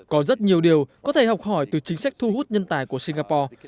có rất nhiều điều có thể học hỏi từ chính sách thu hút nhân tài của singapore